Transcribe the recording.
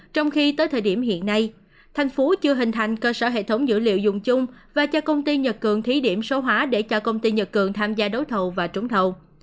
trong khi tới thời điểm hiện nay thành phố chưa hình thành cơ sở hệ thống dữ liệu dùng chung và cho công ty nhật cường thí điểm số hóa để cho công ty nhật cường tham gia đấu thầu và trúng thầu